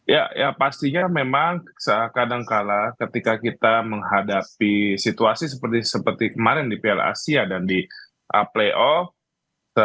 ya ya pastinya memang kadangkala ketika kita menghadapi situasi seperti kemarin di piala asia dan di playoff